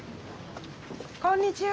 こんにちは。